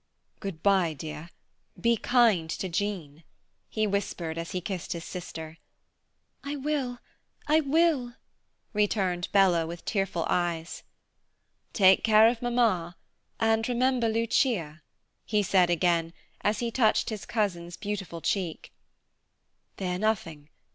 "Good bye, dear. Be kind to Jean," he whispered as he kissed his sister. "I will, I will," returned Bella, with tearful eyes. "Take care of Mamma, and remember Lucia," he said again, as he touched his cousin's beautiful cheek. "Fear nothing.